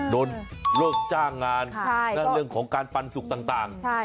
โดนโรคจ้างงานใช่และเรื่องของการปันสุขต่างต่างใช่